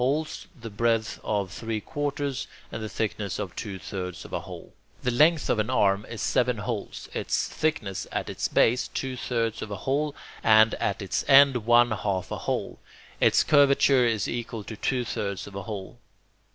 holes, the breadth of three quarters, and the thickness of two thirds of a hole. The length of an arm is seven holes, its thickness at its base two thirds of a hole, and at its end one half a hole; its curvature is equal to two thirds of a hole.